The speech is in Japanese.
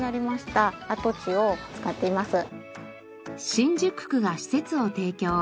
新宿区が施設を提供。